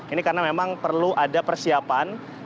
ini karena memang perlu ada persiapan